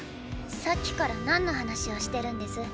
さっきから何の話をしてるんです？